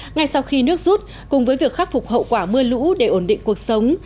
ngay sau khi nước rút cùng với việc khắc phục hậu quả mưa lũ để ổn định cuộc sống